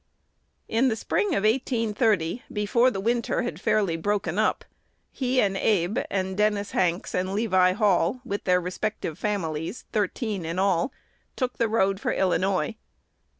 In the spring of 1830, before the winter had fairly broken up, he and Abe, and Dennis Hanks and Levi Hall, with their respective families, thirteen in all, took the road for Illinois.